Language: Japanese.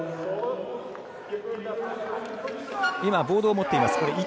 ボードを持っています。